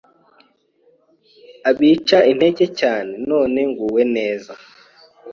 abica integer cyane none nguwe neza,